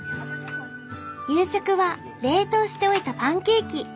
夕食は冷凍しておいたパンケーキ。